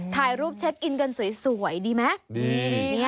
ถ่ายรูปเช็คอินกันสวยดีไหมดี